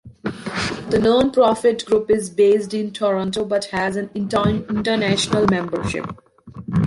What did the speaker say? The non-profit group is based in Toronto but has an international membership.